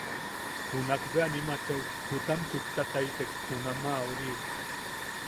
Junakbea nim achai kutam chuktataitek junama ori.